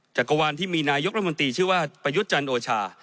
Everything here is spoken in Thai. จักรวาลที่มีนายกรัฐมนตรีชื่อว่าประยุทธ์จันทร์โอชา